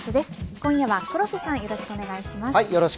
今夜は黒瀬さんよろしくお願いします。